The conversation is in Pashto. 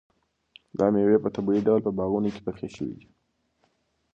دا مېوې په طبیعي ډول په باغونو کې پخې شوي دي.